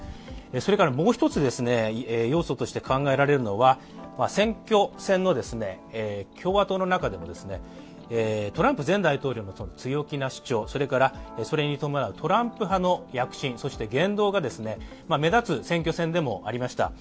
それからもう一つですね、要素として考えられるのは、選挙戦の共和党の中でもトランプ前大統領の強気な主張、それに伴うトランプ派の躍進そして言動が、目立つ選挙戦でもありました。